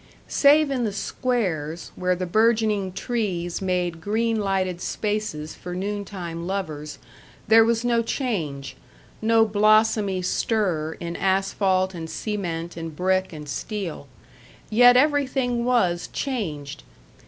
Save in the squares, where the bourgeoning trees made green lighted spaces for noon time lovers, there was no change; no blossomy stir in asphalt and cement and brick and steel. Yet everything was changed.